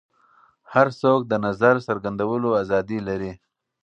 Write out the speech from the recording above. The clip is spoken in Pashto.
هر څوک د نظر څرګندولو ازادي لري.